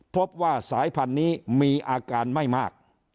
พบว่าสายพันธุ์นี้มีอาการไม่มาก